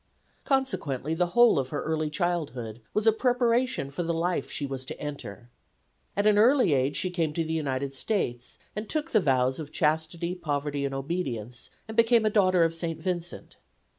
Consequently the whole of her early childhood was a preparation for the life she was to enter. At an early age she came to the United States and took the vows of Chastity, Poverty and Obedience, and became a daughter of St. Vincent.